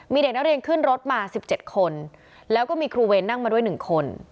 มีเด็กนักเรียนขึ้นรถมา๑๗คนแล้วก็มีครูเวรนั่งมาด้วย๑คน